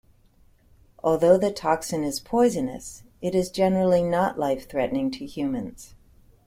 Although the toxin is poisonous, it is generally not life-threatening to humans.